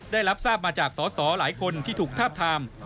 ได้รับทราบมาจากสอสอหลายคนที่ถูกทาบทาม